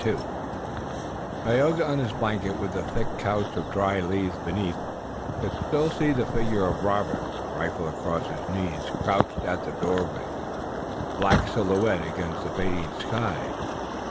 Tayoga on his blanket, with the thick couch of dry leaves beneath, could still see the figure of Robert, rifle across his knees, crouched at the doorway, a black silhouette against the fading sky.